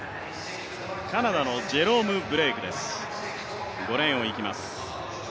カナダのジェロム・ブレークです、５レーンをいきます。